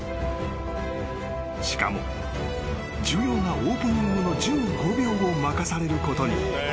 ［しかも重要なオープニングの１５秒を任されることに］